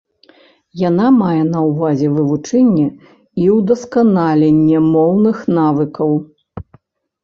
Яна мае на ўвазе вывучэнне і ўдасканаленне моўных навыкаў.